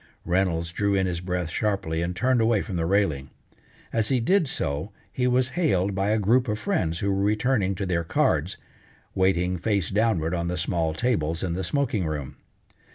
Reynolds drew in his breath sharply and turned away from the railing. As he did so he was hailed by a group of friends who were returning to their cards, waiting face downward on the small tables in the smoking room.